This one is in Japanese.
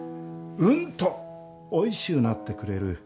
うんとおいしゅうなってくれる。